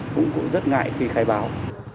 cũng cũng rất ngại khi khai báo